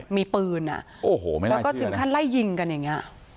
มีปืนแล้วก็ถึงขั้นไล่ยิงกันอย่างนี้